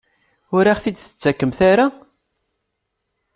Ur aɣ-t-id-tettakemt ara?